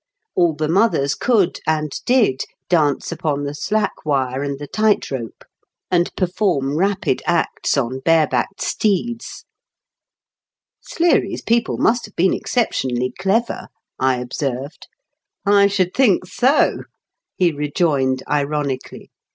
All the mothers could (and did) dance upon the slack wire and the tight rope, 254 IN KENT WITH CEAELE8 DICKENS. and perform rapid acts on bare backed steeds." "Sleary's people must have been excep tionally clever," I observed. " I should think so," he rejoined ironically.